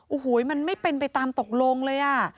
โอ้โหมันไม่เป็นไปตามตกลงเลยอ่ะ